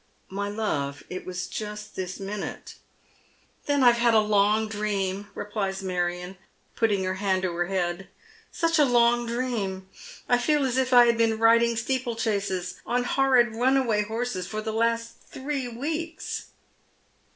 " My love, it was just this minute." "Then I've had a long dream," replies Marion, putting her hand to her head ;" such a long dream. I feel as if I had been riding steeplechases on honid runaway horses for the last three weeks."